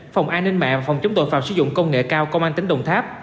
phòng an ninh mạng phòng chống tội phạm sử dụng công nghệ cao công an tỉnh đồng tháp